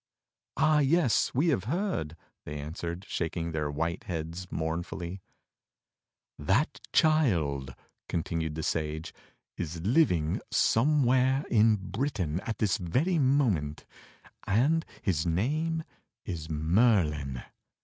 "Ah! yes, we have heard," they answered, shaking their white heads mournfully. "That child," continued the Sage, "is living somewhere in Britain at this very moment, and his name is Merlin.